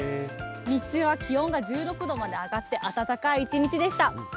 日中は気温が１６度まで上がって、暖かい一日でした。